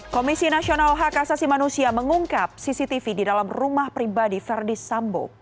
komisi nasional hak asasi manusia mengungkap cctv di dalam rumah pribadi verdi sambo